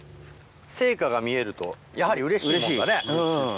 成果が見えるとやはりうれしいもんだね。